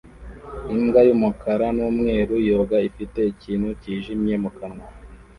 Imbwa y'umukara n'umweru yoga ifite ikintu cyijimye mu kanwa